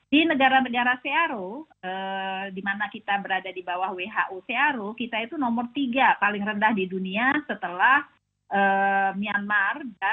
di negara negara cro di mana kita berada di bawah who cro kita itu nomor tiga paling rendah di dunia setelah myanmar